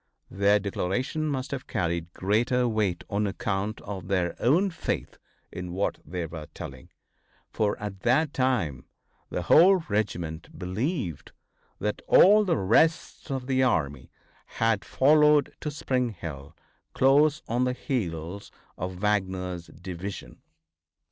Their declaration must have carried greater weight on account of their own faith in what they were telling, for at that time the whole regiment believed that all the rest of the army had followed to Spring Hill close on the heels of Wagner's division.